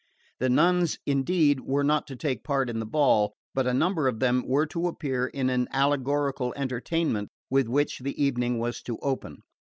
The nuns indeed were not to take part in the ball; but a number of them were to appear in an allegorical entertainment with which the evening was to open.